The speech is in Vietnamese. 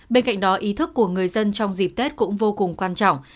bên cạnh đó ý thức của người dân trong dịp tết cũng vô cùng quan trọng